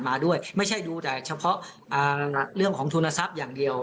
มาด้วยไม่ใช่ดูแต่เฉพาะเรื่องของทุนทรัพย์อย่างเดียว